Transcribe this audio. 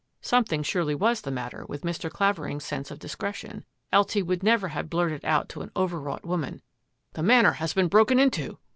" Something surely was the matter with Mr. Clavering's sense of discretion, else he would never have blurted out to an overwrought woman, " The Manor has been broken into